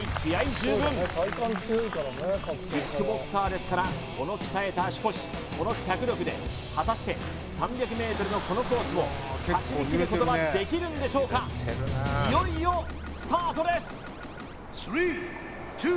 キックボクサーですからこの鍛えた足腰この脚力で果たして３００ｍのこのコースを走り切ることはできるんでしょうかいよいよスタートです